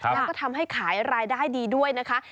แล้วก็ทำให้ขายรายได้ดีด้วยนะคะ